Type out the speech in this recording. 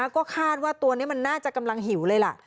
ก็คาดว่าตัวนี้มันน่าจะกำลังหิวเลยล่ะ